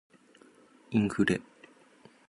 インフレ